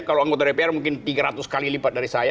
kalau anggota dpr mungkin tiga ratus kali lipat dari saya